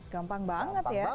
gampang banget ya